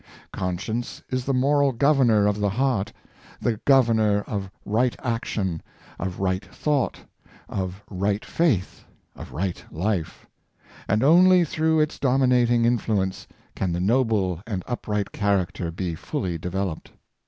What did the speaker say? Conscience is the moral governor of the heart — the governor of right action, of right thought, of right faith, of right life — and only through its dominating influence can the noble and upright character be fully developed.